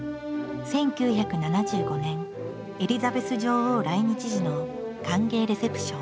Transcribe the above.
１９７５年エリザベス女王来日時の歓迎レセプション。